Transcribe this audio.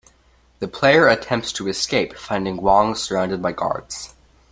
The player attempts to escape, finding Wong surrounded by guards.